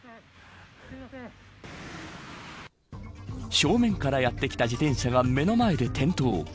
正面からやってきた自転車が目の前で転倒。